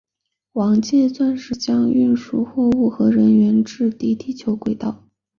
王剑钻石还将运送货物和人员至低地球轨道。